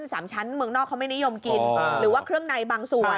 สามชั้นเมืองนอกเขาไม่นิยมกินหรือว่าเครื่องในบางส่วน